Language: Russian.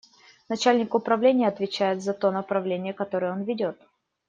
Начальник управления отвечает за то направление, которое он ведет.